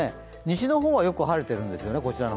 西の方はよく晴れているんですよね。